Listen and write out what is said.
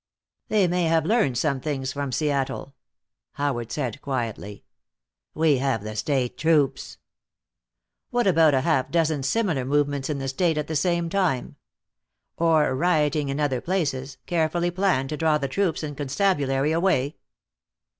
"They may have learned some things from Seattle," Howard said quietly. "We have the state troops." "What about a half dozen similar movements in the state at the same time? Or rioting in other places, carefully planned to draw the troops and constabulary away?"